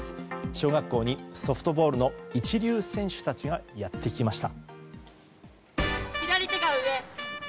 小学校にソフトボールの一流選手たちがやってきました。